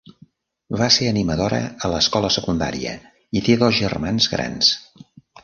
Va ser animadora a l'escola secundària i té dos germans grans.